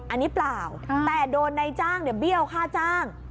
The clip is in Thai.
อันนี้เปล่าแต่โดนในจ้างเบี้ยวค่าจ้าง